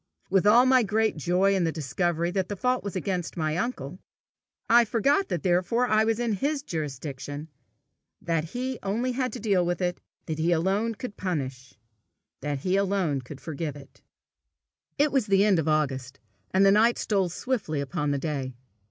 With all my great joy in the discovery that the fault was against my uncle, I forgot that therefore I was in his jurisdiction, that he only had to deal with it, he alone could punish, as he alone could forgive it. It was the end of August, and the night stole swiftly upon the day.